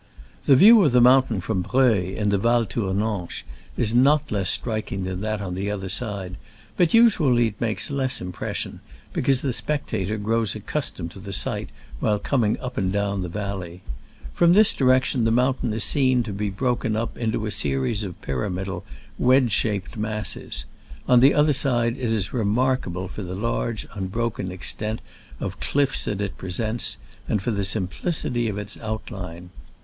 The view of the mountain from Breuil, in the Val Tournanche, is not less strik ing than that on the other side, but usually it makes less impression, be cause the spectator grows accustomed to the sight while coming up or down the valley. From this direction the mountain is seen to be broken up into a series of pyramidal, wedge shaped masses : on the other side it is remark able for the large, unbroken extent of cliffs that it presents, and for the sim plicity of its outline.